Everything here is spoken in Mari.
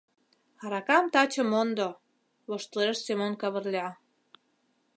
— Аракам таче мондо, — воштылеш Семон Кавырля.